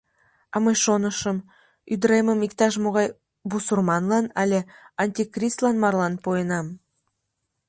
— А мый шонышым: ӱдыремым иктаж-могай бусурманлан али антикрислан марлан пуэнам...